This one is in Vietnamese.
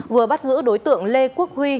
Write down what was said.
vừa bắt giữ đối tượng lê quốc huy